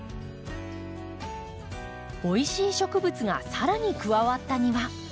おいしい植物がさらに加わった庭。